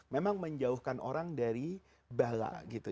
memang menjauhkan orang dari bala gitu